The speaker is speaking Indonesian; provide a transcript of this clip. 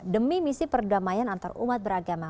demi misi perdamaian antar umat beragama